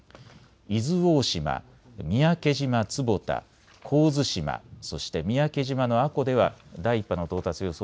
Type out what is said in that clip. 伊豆大島、三宅島坪田、神津島、そして三宅島の阿古では第１波の到達予想